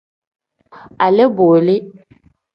Alee-bo le.